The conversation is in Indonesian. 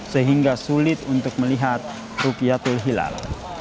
sehingga sulit untuk melihat rukyatul hilal